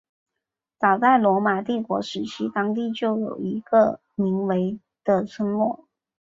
早在罗马帝国时期当地就已经有一个名为的村落。